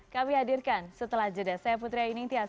kami hadirkan setelah jeda saya putri ayu ningtya